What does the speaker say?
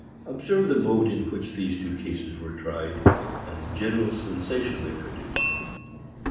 Observe the mode in which these two cases were tried, and the general sensation they produced.